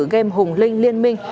game hùng linh liên minh